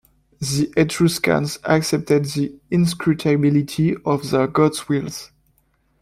The Etruscans accepted the inscrutability of their gods' wills.